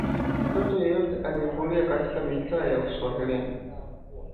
Mtoto yeyote aliyekulia katika mitaa ya uswahilini